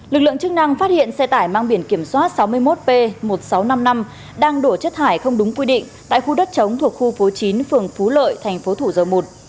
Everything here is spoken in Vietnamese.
lực lượng chức năng phát hiện xe tải mang biển kiểm soát sáu mươi một p một nghìn sáu trăm năm mươi năm đang đổ chất thải không đúng quy định tại khu đất chống thuộc khu phố chín phường phú lợi thành phố thủ dầu một